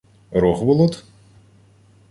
— Рогволод?